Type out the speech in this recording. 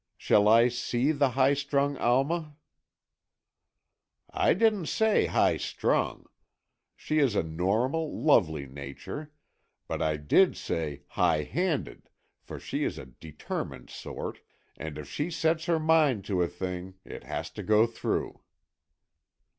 Shall I see the high strung Alma?" "I didn't say high strung. She is a normal, lovely nature. But I did say high handed, for she is a determined sort, and if she sets her mind to a thing it has to go through."